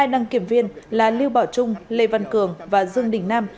hai đăng kiểm viên là lưu bảo trung lê văn cường và dương đình nam